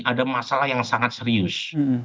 ada masalah yang sangat serius